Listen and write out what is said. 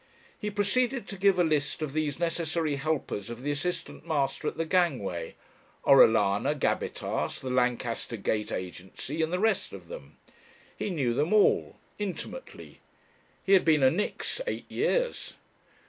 He proceeded to give a list of these necessary helpers of the assistant master at the gangway Orellana, Gabbitas, The Lancaster Gate Agency, and the rest of them. He knew them all intimately. He had been a "nix" eight years.